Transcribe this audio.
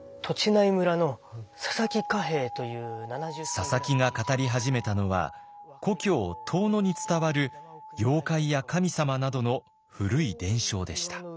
佐々木が語り始めたのは故郷遠野に伝わる妖怪や神様などの古い伝承でした。